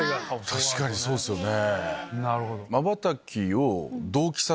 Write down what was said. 確かにそうですよね。